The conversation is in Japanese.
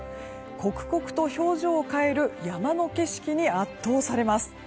刻々と表情を変える山の景色に圧倒されます。